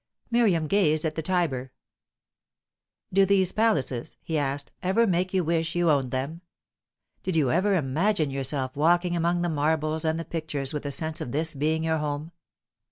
Miriam gazed at the Tiber. "Do these palaces," he asked, "ever make you wish you owned them? Did you ever imagine yourself walking among the marbles and the pictures with the sense of this being your home?"